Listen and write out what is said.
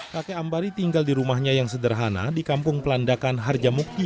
kakek ambari tinggal di rumahnya yang sederhana di kampung pelandakan harjamukti